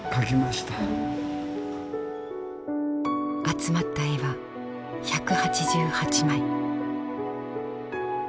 集まった絵は１８８枚。